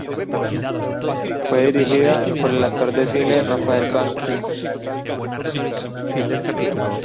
Fue dirigida por el actor de cine Rafael Banquells.